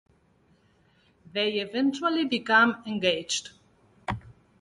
They eventually become engaged.